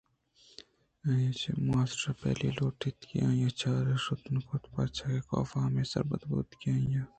آئی ءَچہ ماسٹر ءَ پہیلّی لوٹ اِت کہ آئی ءِ چارگ ءَ شت نہ کُت پرچاکہ کاف ہمے سرپد بوت کہ آئی وتی قول پیلو نہ کُتگ پمشکا ماسٹر مروچی وت آئی ءِ گندوک ءَ اتکگ اَت